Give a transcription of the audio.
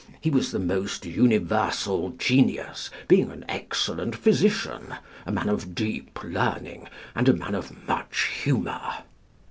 He was the most universal genius, being an excellent physician, a man of deep learning, and a man of much humor."